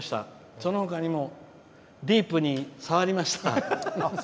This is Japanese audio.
そのほかにもディープに触りました。